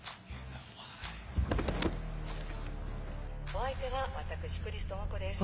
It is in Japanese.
お相手は私クリス智子です